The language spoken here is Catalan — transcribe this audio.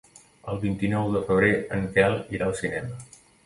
El vint-i-nou de febrer en Quel irà al cinema.